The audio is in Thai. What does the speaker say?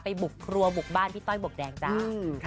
บุกครัวบุกบ้านพี่ต้อยบวกแดงจ้า